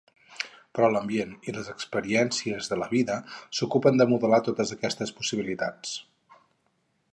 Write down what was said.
Però l'ambient i les experiències de la vida s'ocupen de modelar totes aquestes possibilitats.